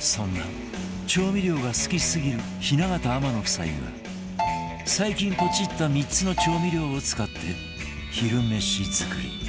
そんな調味料が好きすぎる雛形天野夫妻は最近ポチった３つの調味料を使って昼飯作り